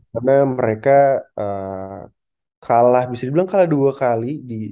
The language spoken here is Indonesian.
karena mereka kalah bisa dibilang kalah dua kali di final